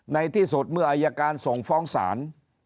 ในที่สุดเมื่ออายการส่งฟ้องศาล